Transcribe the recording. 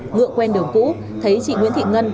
ngựa quen đường cũ thấy chị nguyễn thị ngân